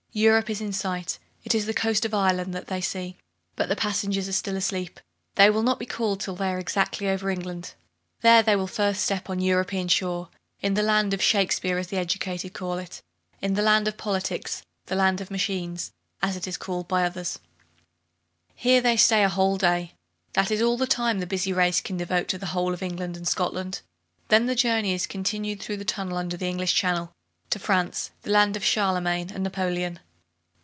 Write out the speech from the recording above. Europe is in sight. It is the coast of Ireland that they see, but the passengers are still asleep; they will not be called till they are exactly over England. There they will first step on European shore, in the land of Shakespeare, as the educated call it; in the land of politics, the land of machines, as it is called by others. Here they stay a whole day. That is all the time the busy race can devote to the whole of England and Scotland. Then the journey is continued through the tunnel under the English Channel, to France, the land of Charlemagne and Napoleon.